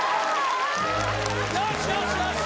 よしよしよし！